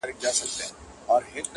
پر جل وهلي زړه مي ډکه پیمانه لګېږې -